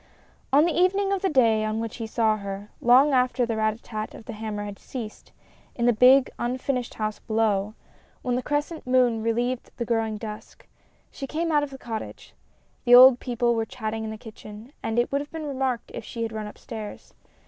On the evening of the day on which he saw her, long after the rat tat tat of the hammer had ceased in the big unfinished house below, when the crescent moon relieved the growing dusk, she came out of MINIATURES 253 the cottage. The old people were chatting in the kitchen, and it would have been remarked if she had run upstairs.